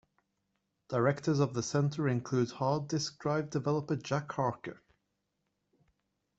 Directors of the center include hard disc drive developer Jack Harker.